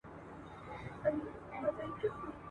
هم د پسونو هم د هوسیانو !.